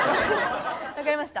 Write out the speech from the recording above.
分かりました。